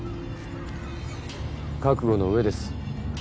覚悟の上です。